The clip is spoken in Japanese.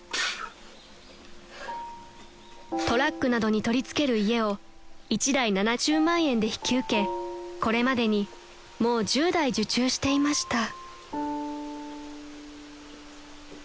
［トラックなどに取り付ける家を１台７０万円で引き受けこれまでにもう１０台受注していました］